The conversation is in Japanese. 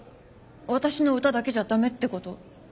私の歌だけじゃ駄目ってこと？